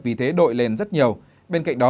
vì thế đội lên rất nhiều bên cạnh đó